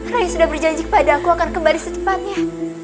rai sudah berjanji kepada aku akan kembali setepatnya